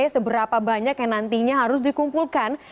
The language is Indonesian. seberapa banyak yang nantinya harus dikumpulkan